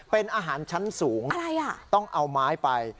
เป็นอาหารชั้นสูงต้องเอาไม้ไป